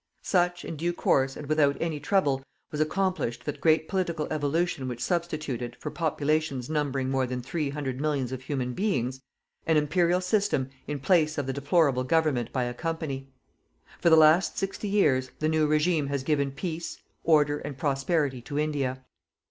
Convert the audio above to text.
Such, in due course, and without any trouble, was accomplished that great political evolution which substituted, for populations numbering more than three hundred millions of human beings, an Imperial system in place of the deplorable government by a company. For the last sixty years, the new regime has given peace, order and prosperity to India.